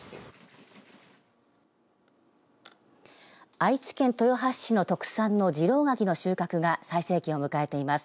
愛知県豊橋市の特産の次郎柿の収穫が最盛期を迎えています。